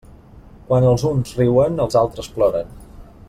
Quan els uns riuen, els altres ploren.